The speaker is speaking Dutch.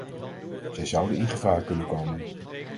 Zij zouden in gevaar kunnen komen.